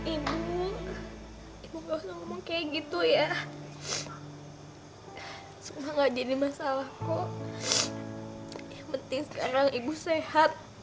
ibu ibu gak usah ngomong kayak gitu ya suka nggak jadi masalah kok yang penting sekarang ibu sehat